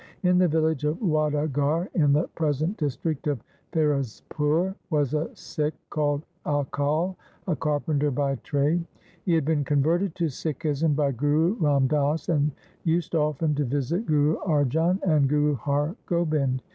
In the village of Wadaghar in the present district of Firozpur was a Sikh called Akal, a carpenter by trade. He had been converted to Sikhism by Guru Ram Das and used often to visit Guru Arjan and Guru Har Gobind.